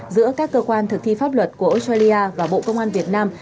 giữa các cơ quan thực thi pháp luật của australia và bộ công an việt nam